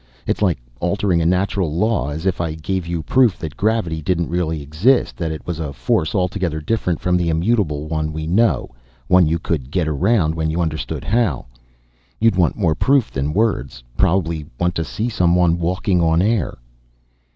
It's like altering a natural law. As if I gave you proof that gravity didn't really exist, that it was a force altogether different from the immutable one we know, one you could get around when you understood how. You'd want more proof than words. Probably want to see someone walking on air."